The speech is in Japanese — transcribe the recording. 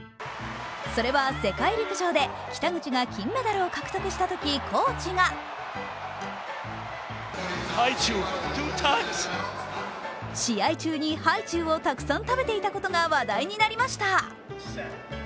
それは世界陸上で北口が金メダルを獲得したとき、コーチが試合中にハイチュウをたくさん食べていたことが話題になりました。